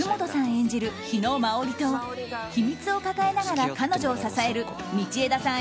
演じる日野真織と秘密を抱えながら彼女を支える道枝さん